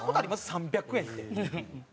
３００円って。